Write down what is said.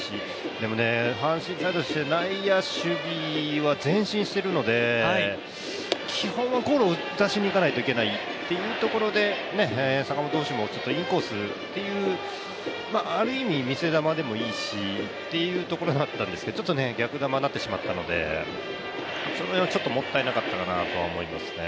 でもね、阪神サイドとして内野手は前進しているので、基本はゴロを打たせにいかないといけないというところで坂本もインコースっていうある意味、見せ球でもいいしっていうところでもあったんですけど逆球になってしまったので、その辺は少しもったいなかったと思いますね。